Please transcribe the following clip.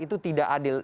itu tidak adil